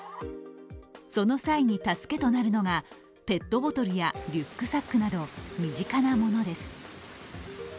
その際に助けとなるのがペットボトルやリュックサックなど身近なものです。